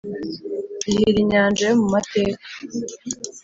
gihira inyanja yo mu mateka